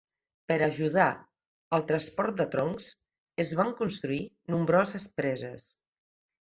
Per ajudar al transport de troncs, es van construir nombroses preses.